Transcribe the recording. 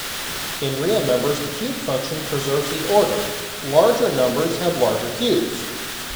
In real numbers, the cube function preserves the order: larger numbers have larger cubes.